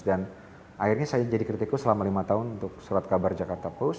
dan akhirnya saya jadi kritikus selama lima tahun untuk surat kabar jakarta post